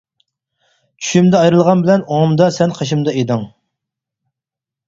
چۈشۈمدە ئايرىلغان بىلەن ئوڭۇمدا سەن قېشىمدا ئىدىڭ.